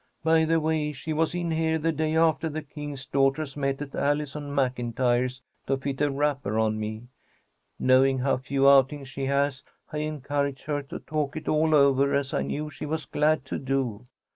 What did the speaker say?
By the way, she was in here the day after the King's Daughters met at Allison MacIntyre's, to fit a wrapper on me. Knowing how few outings she has, I encouraged her to talk it all over, as I knew she was glad to do.